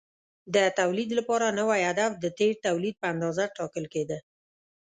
د تولید لپاره نوی هدف د تېر تولید په اندازه ټاکل کېده.